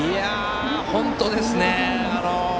本当ですね！